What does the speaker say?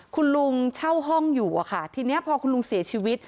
คุณลุงเช่าห้องอยู่อะค่ะทีนี้พอคุณลุงเสียชีวิต